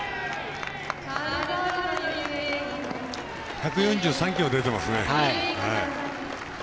１４３キロ出てますね。